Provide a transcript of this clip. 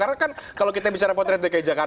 karena kan kalau kita bicara potret dekat sini